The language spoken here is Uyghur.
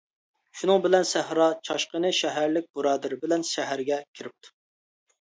شۇنىڭ بىلەن سەھرا چاشقىنى شەھەرلىك بۇرادىرى بىلەن شەھەرگە كىرىپتۇ.